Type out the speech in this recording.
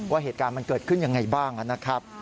ว่าเหตุการณ์มันเกิดขึ้นยังไงบ้างนะครับ